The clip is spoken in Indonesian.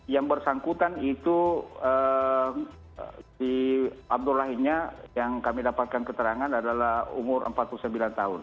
yang bersangkutan itu si abdurrahinya yang kami dapatkan keterangan adalah umur empat puluh sembilan tahun